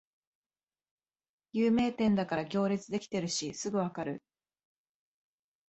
有名店だから行列できてるしすぐわかる